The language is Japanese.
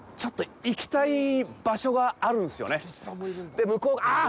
で、向こうが、あっ！